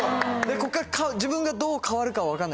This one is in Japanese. こっから自分がどう変わるかは分からないです。